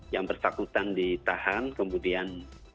yang persatutan ditahan kemudian